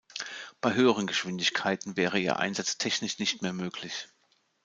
Bei höheren Geschwindigkeiten wäre ihr Einsatz technisch nicht mehr möglich.